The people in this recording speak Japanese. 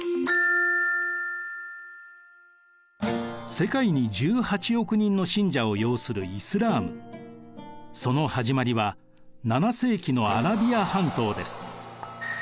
世界に１８億人の信者を擁するその始まりは７世紀のアラビア半島です。